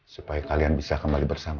supaya kalian bisa kembali bersama